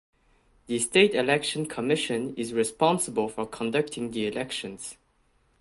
The State Election Commission is responsible for conducting the elections.